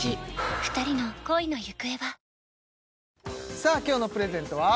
さあ今日のプレゼントは？